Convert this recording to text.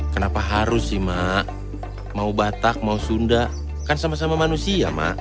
kenapa harus sih mak mau batak mau sunda kan sama sama manusia mak